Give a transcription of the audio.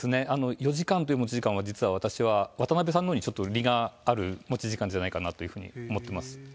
４時間という持ち時間は、実は私は、渡辺さんのほうに利がある、持ち時間じゃないかなと思ってます。